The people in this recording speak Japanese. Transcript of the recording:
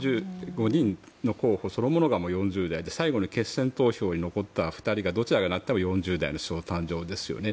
５人の候補者そのものが４０代最後の決選投票に残った２人のどちらがなっても４０代の首相誕生ですよね。